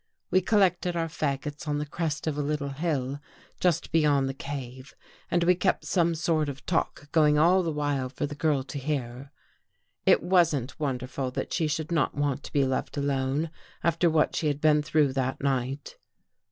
We collected our fagots on the crest of a little hill just above the cave and we kept some sort of talk going all the while for the girl to hear. It wasn't wonderful that she should not want to be left alone after what she had been through that night.